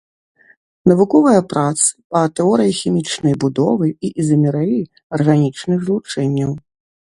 Навуковыя працы па тэорыі хімічнай будовы і ізамерыі арганічных злучэнняў.